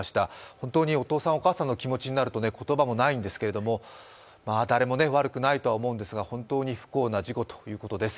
本当にお父さん、お母さんの気持ちになると、言葉もないんですけども、誰も悪くないとは思うんですが本当に不幸な事故ということです。